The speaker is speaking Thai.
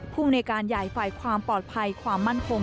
ภูมิในการใหญ่ฝ่ายความปลอดภัยความมั่นคง